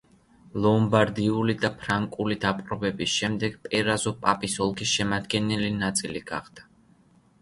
ლომბარდიული და ფრანკული დაპყრობების შემდეგ, პეზარო პაპის ოლქის შემადგენელი ნაწილი გახდა.